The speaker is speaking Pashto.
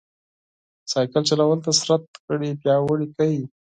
بایسکل چلول د بدن غړي پیاوړي کوي.